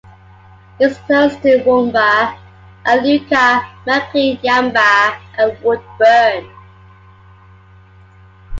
It is close to Woombah, Iluka, Maclean, Yamba and Woodburn.